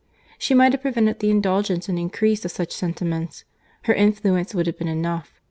She might have prevented the indulgence and increase of such sentiments. Her influence would have been enough.